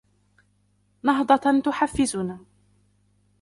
نهضة تحفزنا